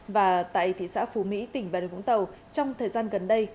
và tại thị xã phú mỹ tỉnh văn đồng vũng tàu trong thời gian gần đây